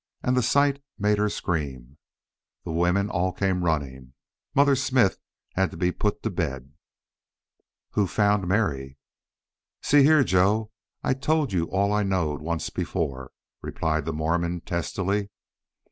An' the sight made her scream. The women all came runnin'. Mother Smith had to be put to bed." "Who found Mary?" "See here, Joe, I told you all I knowed once before," replied the Mormon, testily.